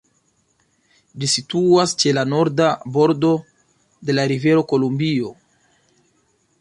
Ĝi situas ĉe la norda bordo de la rivero Kolumbio.